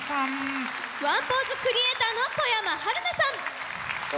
ワンポーズクリエイターの外山晴菜さん。